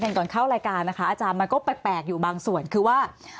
ก่อนเข้ารายการนะคะอาจารย์มันก็แปลกอยู่บางส่วนคือว่า